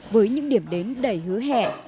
với những điểm đến đầy hứa hẹn